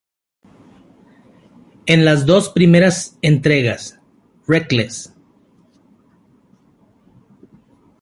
En las dos primeras entregas: Reckless.